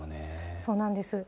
そうなんです。